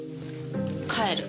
帰る。